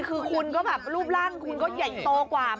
คือคุณก็แบบรูปร่างคุณก็ใหญ่โตกว่า